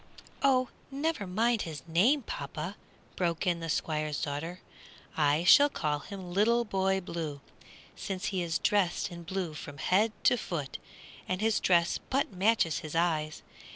"Oh, never mind his name, papa!" broke in the Squire's daughter; "I shall call him Little Boy Blue, since he is dressed in blue from head to foot, and his dress but matches his eyes.